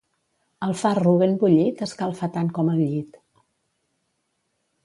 El farro ben bullit escalfa tant com el llit.